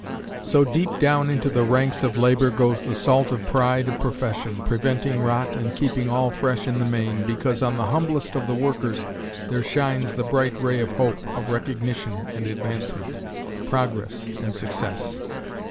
So deep down into the ranks of labor goes the salt of pride of profession, preventing rot and keeping all fresh in the main, because on the humblest of the workers there shines the bright ray of hope of recognition and advancement, progress and success.